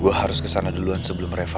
gue harus kesana duluan sebelum reva